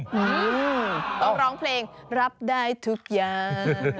ต้องร้องเพลงรับได้ทุกอย่าง